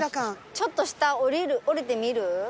ちょっと下下りてみる？